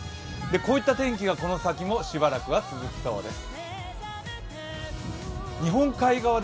こういった天気がこの先もしばらくは続きそうです。